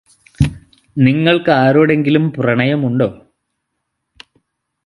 നിങ്ങൾക്ക് ആരോടെങ്കിലും പ്രണയമുണ്ടോ?